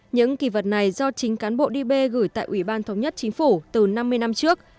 những kỳ vật này do chính cán bộ db gửi tại ủy ban thống nhất chính phủ từ năm mươi năm trước